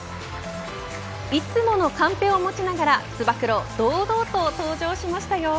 いつものカンペを持ちながら、つば九郎堂々と登場しましたよ。